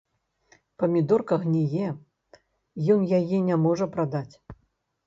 Памідорка гніе, ён яе не можа прадаць!